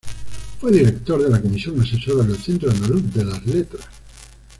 Fue director de la Comisión Asesora del Centro Andaluz de las Letras.